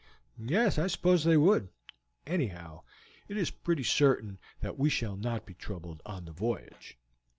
"Yes, I suppose they would; anyhow, it is pretty certain that we shall not be troubled on the voyage."